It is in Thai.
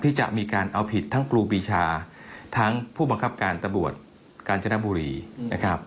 ที่จะมีการเอาผิดทั้งครูปีชาทั้งผู้บังคับการตำรวจกาญจนบุรีนะครับ